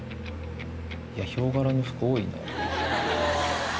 ヒョウ柄の服多いな。